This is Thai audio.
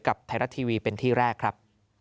กับไทยรัฐทีวีเป็นที่แรกครับ